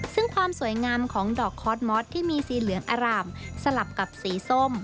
ซึ่งความสวยงามของดอกคอสมอสที่มีสีเหลืองอร่ามสลับกับสีส้ม